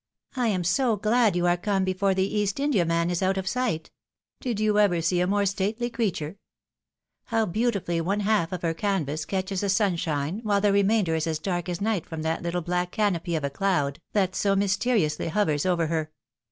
"I am so glad you are come before the East Indiaman is out of sight ! Did you ever see a more stately creature ? How beautifully one half of her canvas catches the sunshine, while the remainder is as dark as night from that little black canopy of a cloud that so mysteriously hovers over her